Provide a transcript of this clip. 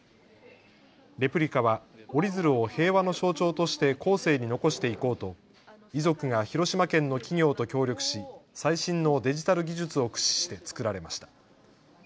レプリカは折り鶴を平和の象徴として後世に残していこうと遺族が広島県の企業と協力し最新のデジタル技術を駆使して作られました。